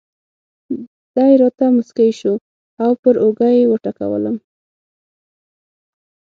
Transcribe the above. دی راته مسکی شو او پر اوږه یې وټکولم.